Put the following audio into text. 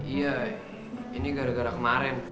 iya ini gara gara kemarin